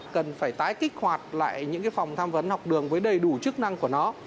cần phải tái kích hoạt lại những phòng tham vấn học đường với đầy đủ chức năng của nó